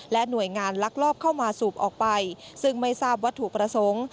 หน่วยงานลักลอบเข้ามาสูบออกไปซึ่งไม่ทราบวัตถุประสงค์